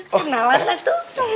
kenalan lah tuh